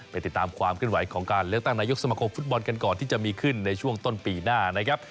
ติดตามความขึ้นไหวของการเลือกตั้งนายกสมคมฟุตบอลกันก่อนที่จะมีขึ้นในช่วงต้นปีหน้านะครับ